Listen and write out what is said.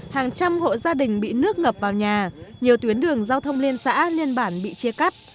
hàng trăm hộ gia đình bị nước ngập vào nhà nhiều tuyến đường giao thông liên xã liên bản bị chia cắt